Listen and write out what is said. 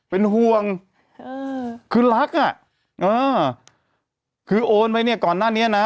เป็นห่วงเออคือรักอ่ะเออคือโอนไว้เนี่ยก่อนหน้านี้นะ